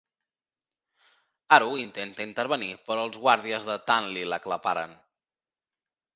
Haru intenta intervenir però els guàrdies de Tanley l'aclaparen.